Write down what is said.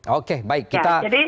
oke baik kita